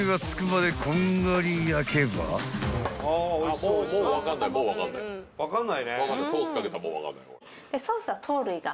ソースかけたらもう分かんない。